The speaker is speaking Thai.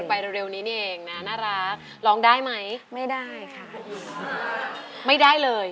โภนวิทยาลังกาทัล